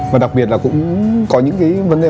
và đặc biệt là cũng có những vấn đề